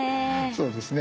そうですね。